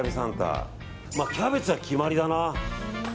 キャベツは決まりだな。